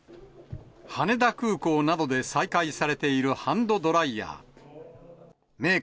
羽田空港などで再開されているハンドドライヤー。